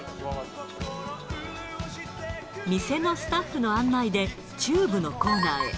店のスタッフの案内で、ＴＵＢＥのコーナーへ。